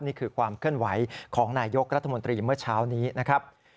นี่คือความเคลื่อนไหวของนายยกรัฐมนตรีเมื่อเช้านี้นะครับ